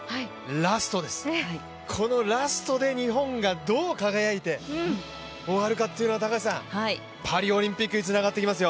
ラストです、このラストで日本がどう輝いて終わるかっていうのはパリオリンピックにつながってきますよ。